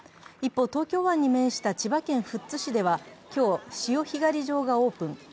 一方、東京湾に面した千葉県富津市では今日、潮干狩り場がオープン。